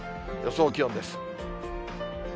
予想気温です。